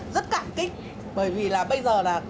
rất cảm kích bởi vì là bây giờ là